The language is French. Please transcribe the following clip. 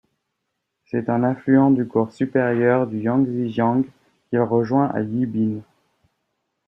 C'est un affluent du cours supérieur du Yangzi Jiang, qu'il rejoint à Yibin.